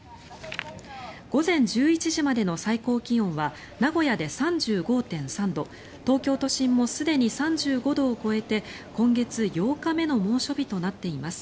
午前１１時までの最高気温は名古屋で３５．３度東京都心もすでに３５度を超えて今月８日目の猛暑日となっています。